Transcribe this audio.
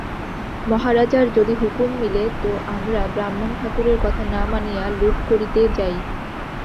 মহারাজার যদি হুকুম মিলে তো আমরা ব্রাহ্মণ-ঠাকুরের কথা না মানিয়া লুঠ করিতে যাই।